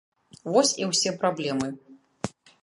Вось і ўсе праблемы.